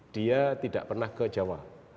dia tidak pernah ke jawa